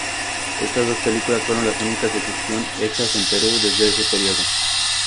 Estas dos películas fueron las únicas de ficción hechas en Perú de ese período.